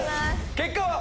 結果は？